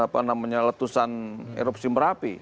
di mana masih ada masker yang telah dilakukan eropsi merapi